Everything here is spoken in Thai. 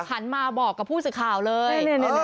หันมาบอกกับผู้สื่อข่าวเลย